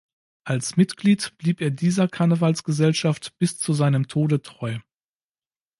Als Mitglied blieb er dieser Karnevalsgesellschaft bis zu seinem Tode treu.